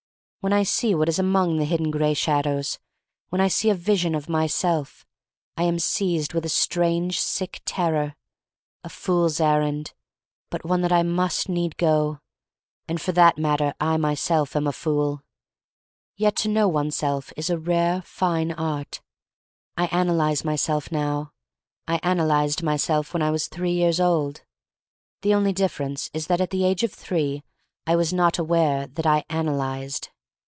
When I see what is among the hidden gray shadows — when I see a vision of Myself— \ am seized with a strange, sick terror. A fool's errand — ^but one that I must need go — and for that matter I myself am a fool. Yet to know oneself well is a rare fine art. I analyze myself now. I analyzed myself when I was three years old. The only difference is that at the age of three I was not aware that I ana lyzed.